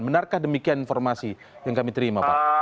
benarkah demikian informasi yang kami terima pak